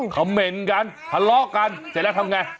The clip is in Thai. เมนต์กันทะเลาะกันเสร็จแล้วทำไง